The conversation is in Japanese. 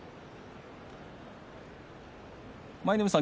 舞の海さん